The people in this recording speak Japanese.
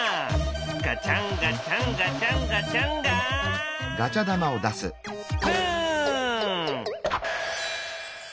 ガチャンガチャンガチャンガチャンガフン！